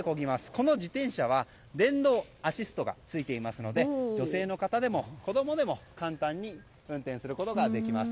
この自転車は電動アシストがついていますので女性の方でも子供でも簡単に運転することができます。